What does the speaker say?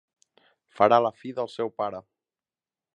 Farà la fi del seu pare.